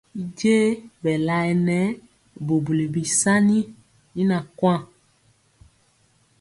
Y b je bɛ laɛ bubuli bisaani y kuan.